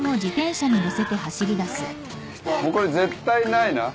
これ絶対ないな。